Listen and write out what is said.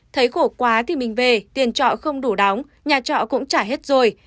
thấy khổ quá thì mình về tiền trọ không đủ đóng nhà trọ cũng trả hết rồi